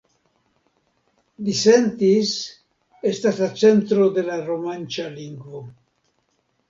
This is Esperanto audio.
Disentis estas la centro de la romanĉa lingvo.